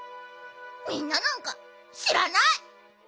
みんななんかしらない！